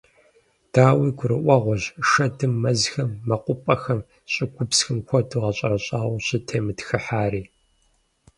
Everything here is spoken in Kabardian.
Дауи, гурыӀуэгъуэщ шэдым мэзхэм, мэкъупӀэхэм, щӀыгупсхэм хуэдэу гъэщӀэрэщӀауэ щӀытемытхыхьари.